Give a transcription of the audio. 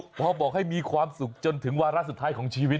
พอบอกให้มีความสุขจนถึงวาระสุดท้ายของชีวิต